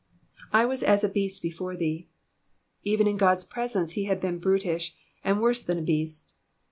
/ was as a least before thee.'''' Even in God's presence he had been brutish, and worse than a beast.